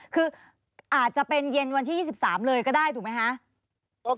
คืออาจจะเป็นเย็นวันที่๒๓เลยก็ได้ถูกไหมคะ